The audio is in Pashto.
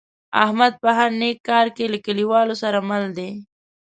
احمد په هر نیک کار کې له کلیوالو سره مل دی.